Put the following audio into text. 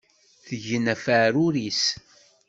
Teggan ɣef uɛrur-is.